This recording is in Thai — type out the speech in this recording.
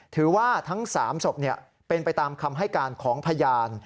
ถือว่าทั้ง๓ศพเป็นไปตามคำให้การของพยาน